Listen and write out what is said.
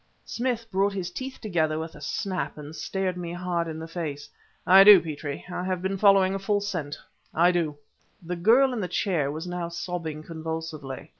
Smith brought his teeth together with a snap and stared me hard in the face. "I do, Petrie. I have been following a false scent. I do!" The girl in the chair was now sobbing convulsively.